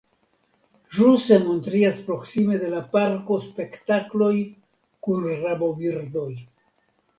Ĵuse montriĝas proksime de la parko spektakloj kun rabobirdoj.